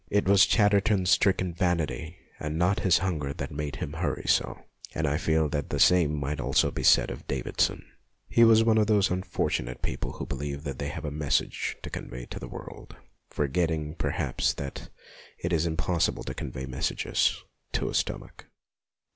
It was Chatterton's stricken vanity and not his hunger that made him hurry so, and I feel that the same might almost be said of Davidson. He was one of those unfortunate people who believe that they have a message to convey to the world ; forgetting, perhaps, that it is impossible to convey messages to 68 MONOLOGUES a stomach.